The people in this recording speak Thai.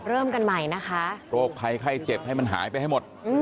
เริ่มกันใหม่นะคะโรคภัยไข้เจ็บให้มันหายไปให้หมด